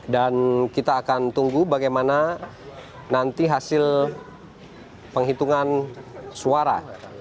dan kita akan tunggu bagaimana nanti hasil penghitungan suara